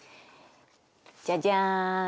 じゃじゃん！